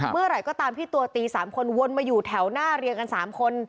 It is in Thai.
เมื่อไหร่ก็ตามที่ตัวตี๓คนวนมาอยู่แถวหน้าเรียงกัน๓คน